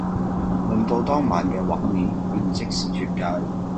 令到當晚嘅畫面可以即時出街